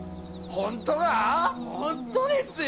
・本当ですよ！